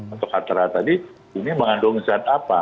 atau kata kata tadi ini mengandung zat apa